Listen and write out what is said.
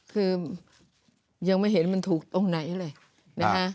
คือยังไม่เห็นมันถูกตรงไหนเลยนะคะ